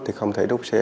thì không thể đốt xe